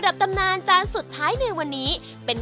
จะเชิญให้รู้ชั้นรู้ว่าร้านอันนึง